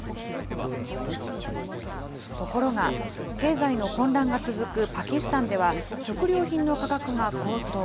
ところが、経済の混乱が続くパキスタンでは、食料品の価格が高騰。